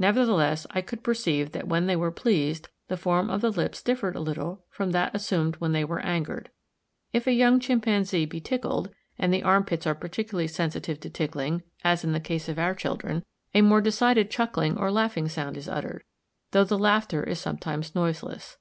Nevertheless I could perceive that when they were pleased the form of the lips differed a little from that assumed when they were angered. If a young chimpanzee be tickled—and the armpits are particularly sensitive to tickling, as in the case of our children,—a more decided chuckling or laughing sound is uttered; though the laughter is sometimes noiseless.